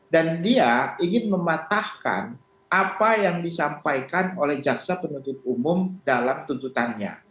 dan dia ingin mematahkan apa yang disampaikan oleh jaksa penuntut umum dalam tuntutannya